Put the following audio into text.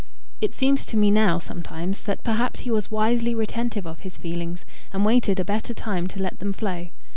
It seems to me now sometimes, that perhaps he was wisely retentive of his feelings, and waited a better time to let them flow.